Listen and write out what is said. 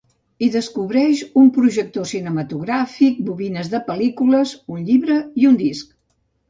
Hi descobreix un projector cinematogràfic, bobines de pel·lícules, un llibre i un disc.